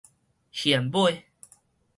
現買